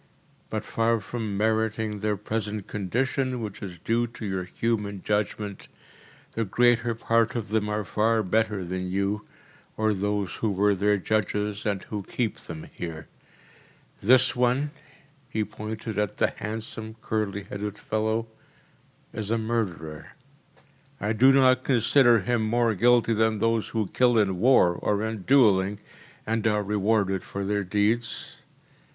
But far from meriting their present condition which is due to your human judgment, the greater part of them are far better than you or those who were their judges and who keep them here. This one‚ÄĚ he pointed to the handsome, curly headed fellow “is a murderer. I do not consider him more guilty than those who kill in war or in duelling, and are rewarded for their deeds.